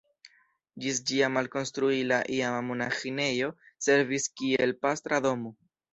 Ĝis ĝia malkonstrui la iama monaĥinejo servis kiel pastra domo.